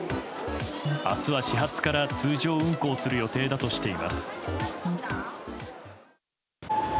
明日は始発から通常運行する予定だとしています。